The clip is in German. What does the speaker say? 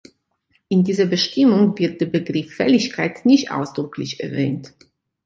In dieser Bestimmung wird der Begriff Fälligkeit nicht ausdrücklich erwähnt.